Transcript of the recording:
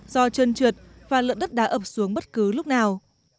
do trơn trượt và lượng đất đá ập xuống bất cứ lúc nào